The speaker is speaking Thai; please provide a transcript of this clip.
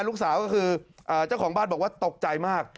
ลูกสาวก็คือเจ้าของบ้านบอกว่าตกใจมาก